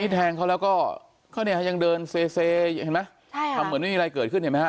แทงเขาแล้วก็เขาเนี่ยยังเดินเซเห็นไหมทำเหมือนไม่มีอะไรเกิดขึ้นเห็นไหมฮ